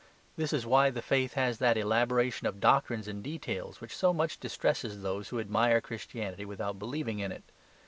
This is why the faith has that elaboration of doctrines and details which so much distresses those who admire Christianity without believing in it.